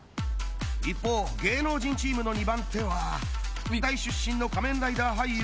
一方芸能人チームの２番手は美大出身の仮面ライダー俳優